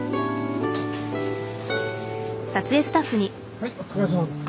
はいお疲れさまです。